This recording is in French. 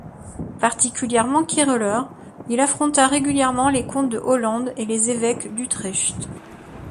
Particulièrement querelleur, il affronta régulièrement les comtes de Hollande et les évêques d'Utrecht.